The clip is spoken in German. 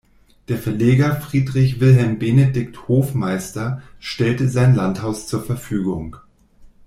Der Verleger Friedrich Wilhelm Benedikt Hofmeister stellte sein Landhaus zur Verfügung.